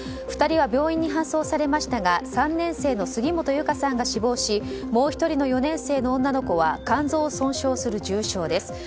２人は病院に搬送されましたが３年生の杉本結香さんが死亡しもう１人の４年生の女の子は肝臓を損傷する重傷です。